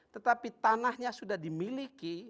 tetapi tanahnya sudah dimiliki